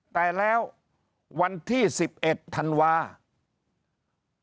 แต่แล้ววันที่๑๑ธันวาคม